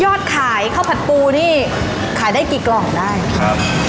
ขายข้าวผัดปูนี่ขายได้กี่กล่องได้ครับ